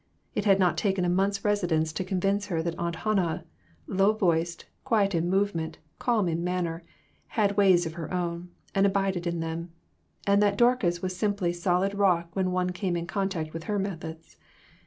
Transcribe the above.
It had not taken a month's residence to convince her that Aunt Hannah low voiced, quiet in movement, calm in manner had ways of her own, and abided in them ; and that Dorcas was simply solid rock when one came in contact with her methods.